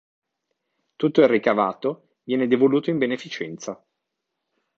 Tutto il ricavato viene devoluto in beneficenza.